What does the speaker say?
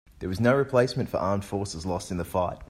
There was no replacement for armed forces lost in the fight.